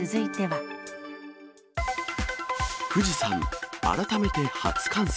富士山、改めて初冠雪。